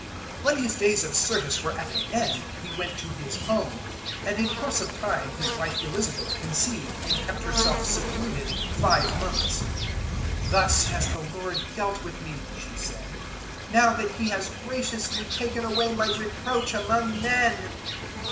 001:023 When his days of service were at an end, he went to his home; 001:024 and in course of time his wife Elizabeth conceived, and kept herself secluded five months. 001:025 "Thus has the Lord dealt with me," she said, "now that He has graciously taken away my reproach among men."